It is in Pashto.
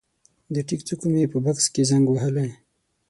د ټیک څوکو مې په بکس کې زنګ وهلی